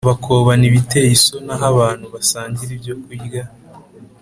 Bakobana ibiteye isoni ahoabantu basangira ibyo kurya